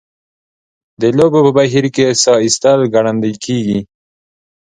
د لوبو په بهیر کې ساه ایستل ګړندۍ کیږي.